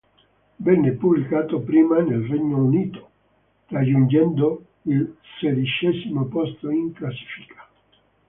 Venne pubblicato prima nel Regno Unito, raggiungendo il sedicesimo posto in classifica.